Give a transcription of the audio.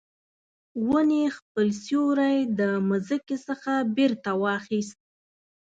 ونې خپل سیوری د مځکې څخه بیرته واخیست